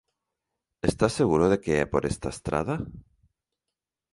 Estás seguro de que é por esta estrada?